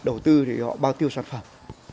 đầu tư thì họ bao tiêu sản phẩm